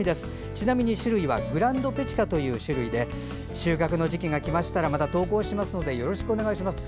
ちなみに、種類はグランドペチカという種類で収穫の時期が来ましたらまた投稿しますのでよろしくお願いしますと。